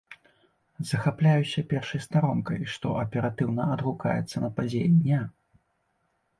Захапляюся першай старонкай, што аператыўна адгукаецца на падзеі дня.